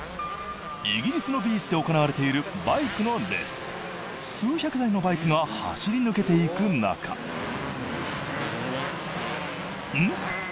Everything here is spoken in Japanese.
イギリスのビーチで行われている数百台のバイクが走り抜けていく中うん？